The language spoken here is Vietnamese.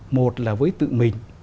một là với tự mình